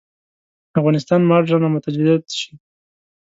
افغانستان مډرن او متجدد شي.